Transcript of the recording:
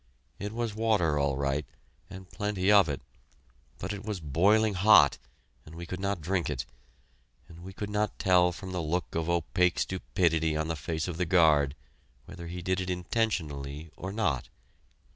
It was water, all right, and plenty of it, but it was boiling hot and we could not drink it; and we could not tell from the look of opaque stupidity on the face of the guard whether he did it intentionally or not.